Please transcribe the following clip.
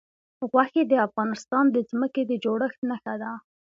غوښې د افغانستان د ځمکې د جوړښت نښه ده.